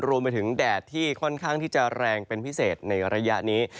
รวมไปถึงแดดที่ค่อนข้างที่จะแรงเป็นพิเศษในระยะนี้